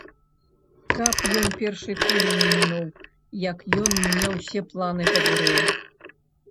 Каб ён першай кулі не мінуў, як ён мне ўсе планы пабурыў.